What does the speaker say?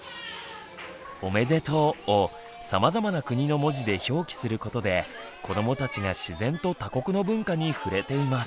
「おめでとう」をさまざまな国の文字で表記することで子どもたちが自然と他国の文化に触れています。